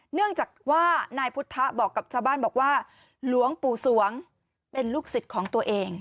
เนื่องจากว่านายพุทธบอกกับชาวบ้านบอกว่าหลวงปู่สวงเป็นลูกศิษย์ของตัวเอง